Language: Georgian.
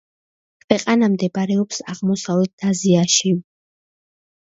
ქვეყანა მდებარეობს აღმოსავლეთ აზიაში.